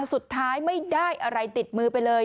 สุดท้ายไม่ได้อะไรติดมือไปเลย